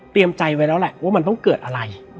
ใจไว้แล้วแหละว่ามันต้องเกิดอะไร